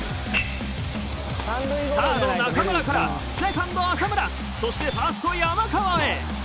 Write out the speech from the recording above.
サード中村からセカンド浅村そしてファースト山川へ。